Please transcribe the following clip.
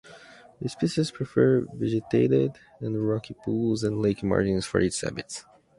The species prefers vegetated and rocky pools and lake margins for its habitat.